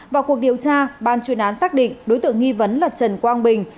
vào cuộc điều tra ban chuyên án xác định đối tượng nghi vấn là trần quang bình